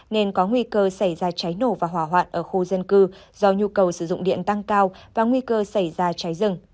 nên có nguy cơ xảy ra cháy nổ và hỏa hoạn ở khu dân cư do nhu cầu sử dụng điện tăng cao và nguy cơ xảy ra cháy rừng